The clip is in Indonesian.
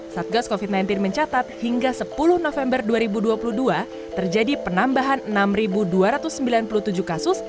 satgas covid sembilan belas mencatat hingga sepuluh november dua ribu dua puluh dua terjadi penambahan enam dua ratus sembilan puluh tujuh kasus